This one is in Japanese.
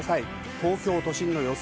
東京都心の予想